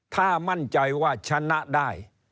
ถ้ามั่นใจว่าชนะได้